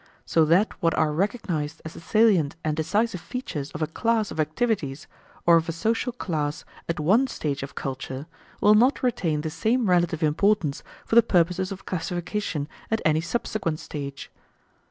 So that what are recognised as the salient and decisive features of a class of activities or of a social class at one stage of culture will not retain the same relative importance for the purposes of classification at any subsequent stage.